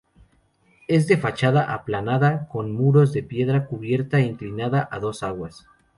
Es de fachada aplanada, con muros de piedra, cubierta inclinada, a dos aguas.